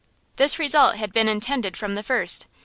"This result had been intended from the first!